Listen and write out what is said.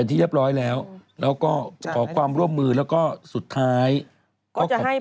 ที่เรียบร้อยแล้วแล้วก็ขอความร่วมมือแล้วก็สุดท้ายก็ขอบคุณ